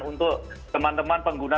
untuk teman teman pengguna